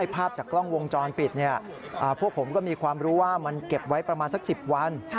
ภาพจากกล้องวงจรปิดพวกผมก็มีความรู้ว่ามันเก็บไว้ประมาณสัก๑๐วัน